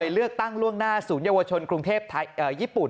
หน่วยเลือกตั้งล่วงหน้าศูนย์เยาวชนกรุงเทพยี่ปุ่น